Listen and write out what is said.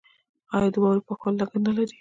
آیا د واورې پاکول لګښت نلري؟